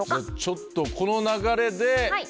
ちょっとこの流れで。